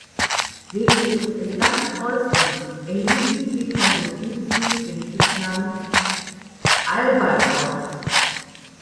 Wegen ihres eleganten Äußeren erhielten sie vom Betriebsdienst den Spitznamen "Albatros".